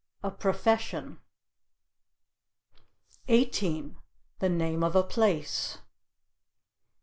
"A profession." 18. "The name of a place."